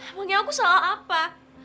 emang yang aku salah apa